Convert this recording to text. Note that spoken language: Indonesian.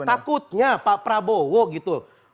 takutnya pak prabowo gitu